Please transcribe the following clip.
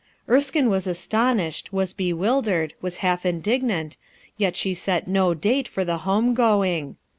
Erskine was astonished, was bewildered, was half indignant, yet she set no date for the home going.